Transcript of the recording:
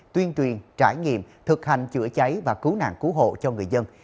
tuyên truyền trải nghiệm thực hành chữa cháy và cứu nạn cứu hộ cho người dân